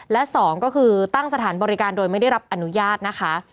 และ๒ก็คือตั้งสถานบริการโดยไม่ได้รับอนุญาตนะคะ